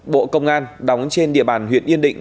bộ công an đóng trên địa bàn huyện yên định